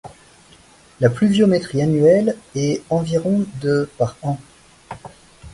La pluviométrie annuelle est environ de par an.